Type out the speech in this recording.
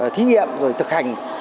thí nghiệm rồi thực hành